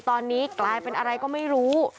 ตอนนี้กลายเป็นอะไรก็ไม่รู้